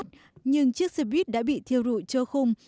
cơ bản được dập tắt nhưng chiếc xe buýt đã bị thiêu rụi trơ khung